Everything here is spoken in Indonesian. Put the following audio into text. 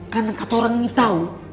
karena kata orang ini tau